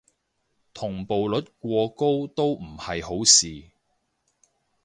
同步率過高都唔係好事